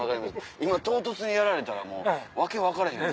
今唐突にやられたらもう訳分かれへん。